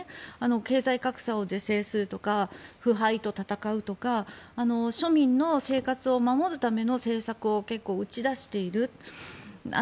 経済格差を是正するとか腐敗と闘うとか庶民の生活を守るための政策を結構打ち出している。